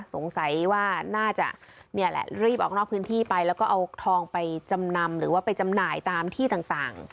สงสัยว่าน่าจะเนี่ยแหละรีบออกนอกพื้นที่ไปแล้วก็เอาทองไปจำนำหรือว่าไปจำหน่ายตามที่ต่าง